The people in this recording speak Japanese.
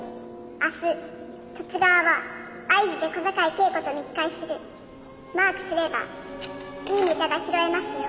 「明日十津川は会津で小坂井恵子と密会する」「マークすればいいネタが拾えますよ」